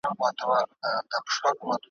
چي تر څو په دې وطن کي هوښیاران وي `